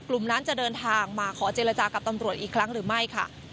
กลุ่มนั้นจะเดินทางมาขอเจรจากับตำรวจอีกครั้งหรือไม่ค่ะ